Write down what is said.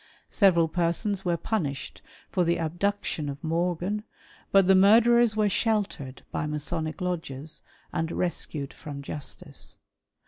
Several persons were *' punished for the abduction of Morgan ; but the murderers were *' sheltered by Masonic Lodges, and rescued from justice.